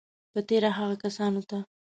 په تېره هغو کسانو ته